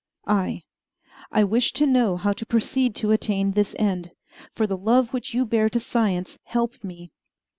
I. I wish to know how to proceed to attain this end. For the love which you bear to science, help me!